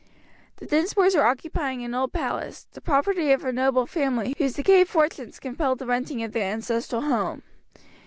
The Dinsmores were occupying an old palace, the property of a noble family whose decayed fortunes compelled the renting of their ancestral home.